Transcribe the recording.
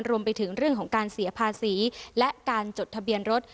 รวมไปถึงเรื่องของการเสียภาษีและการจดทะเบียนรถ